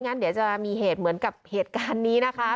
งั้นเดี๋ยวจะมีเหตุเหมือนกับเหตุการณ์นี้นะคะ